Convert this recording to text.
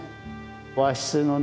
和室のね